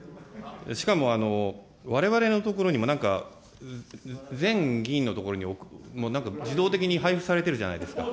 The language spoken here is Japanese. しかもわれわれのところにも、なんか、全議員のところにもなんか自動的に配付されてるじゃないですか。